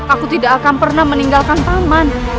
aku tidak akan pernah meninggalkan taman